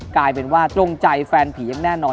กลายเป็นว่าตรงใจแฟนผียังแน่นอน